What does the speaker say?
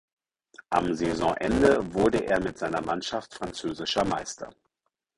Am Saisonende wurde er mit seiner Mannschaft französischer Meister.